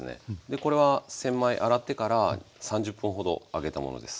これは洗米洗ってから３０分ほど上げたものです。